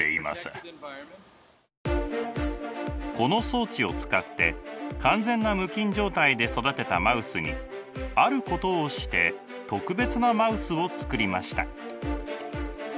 この装置を使って完全な無菌状態で育てたマウスにあることをして特別なマウスをつくりました。